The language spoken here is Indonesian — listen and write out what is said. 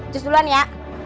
cus duluan ya